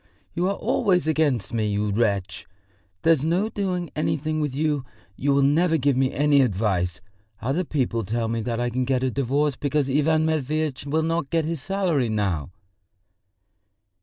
"You are always against me, you wretch! There's no doing anything with you, you will never give me any advice! Other people tell me that I can get a divorce because Ivan Matveitch will not get his salary now."